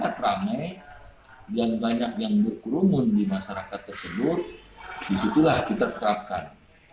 sangat ramai dan banyak yang berkerumun di masyarakat tersebut disitulah kita terapkan